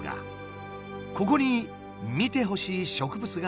ここに見てほしい植物があるという。